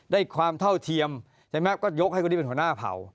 ความเท่าเทียมใช่ไหมก็ยกให้คนนี้เป็นหัวหน้าเผ่า